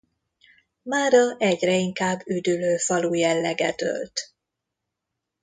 Mára egyre inkább üdülőfalu jelleget ölt.